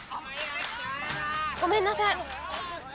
ごめんなさい。